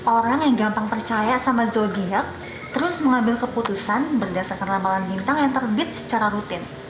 orang yang gampang percaya sama zogihak terus mengambil keputusan berdasarkan ramalan bintang yang terbit secara rutin